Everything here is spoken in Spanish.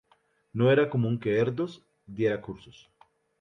No era común que Erdős diera cursos.